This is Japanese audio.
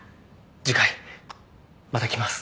次回また来ます。